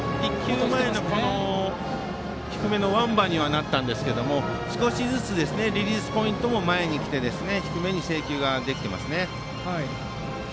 先程、低めのワンバンになったんですけど少しずつリリースポイントも前に来て低めに制球ができています。